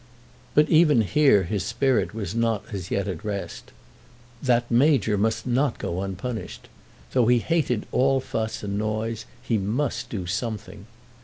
But even here his spirit was not as yet at rest. That Major must not go unpunished. Though he hated all fuss and noise he must do something.